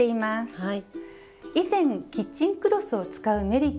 はい。